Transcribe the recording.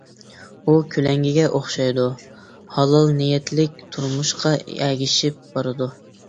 ئۇ كۆلەڭگىگە ئوخشايدۇ، ھالال نىيەتلىك تۇرمۇشقا ئەگىشىپ بارىدۇ.